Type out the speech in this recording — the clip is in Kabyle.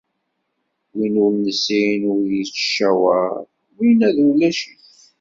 Win ur nessin ur yettcawar, winna d ulaci.